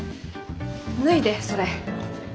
脱いでそれ。